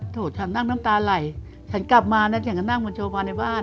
ฉันนั่งน้ำตาไหลฉันกลับมาแล้วฉันก็นั่งบนโวในบ้าน